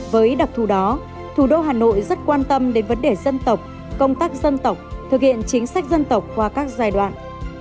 với đặc thù đó thủ đô hà nội rất quan tâm đến vấn đề dân tộc công tác dân tộc thực hiện chính sách dân tộc qua các giai đoạn